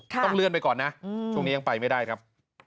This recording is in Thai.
ต้องเลื่อนไปก่อนนะช่วงนี้ยังไปไม่ได้ครับ